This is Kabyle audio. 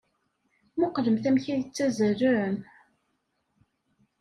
Mmuqqlemt amek ay ttazzalen!